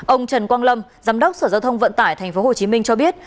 ông trần quang lâm giám đốc sở giao thông vận tải tp hcm cho biết